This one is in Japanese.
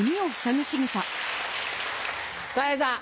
たい平さん。